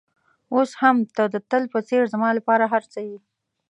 اوس هم ته د تل په څېر زما لپاره هر څه یې.